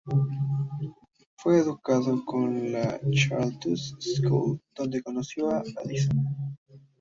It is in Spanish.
Fue educado en la Charterhouse School, donde conoció a Addison.